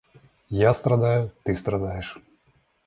Я страдаю, ты страдаешь.